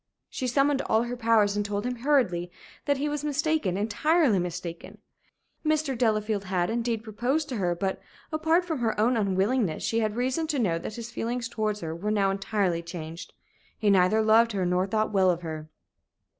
She summoned all her powers and told him hurriedly that he was mistaken entirely mistaken. Mr. Delafield had, indeed, proposed to her, but, apart from her own unwillingness, she had reason to know that his feelings towards her were now entirely changed. He neither loved her nor thought well of her.